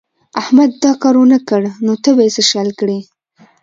احمد دا کار و نه کړ نو ته به يې څه شل کړې.